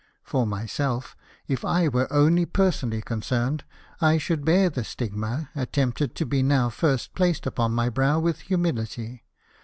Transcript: For myself, if I were only personally concerned, I should bear the stigma, attempted to be now first placed upon my brow, with humility.